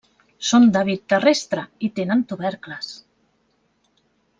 Són d'hàbit terrestre i tenen tubercles.